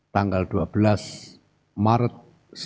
tanggal dua belas maret dua ribu dua puluh empat